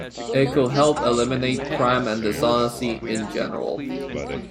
It could help eliminate crime and dishonesty in general.